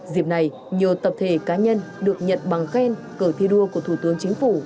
dịp này nhiều tập thể cá nhân được nhận bằng khen cờ thi đua của thủ tướng chính phủ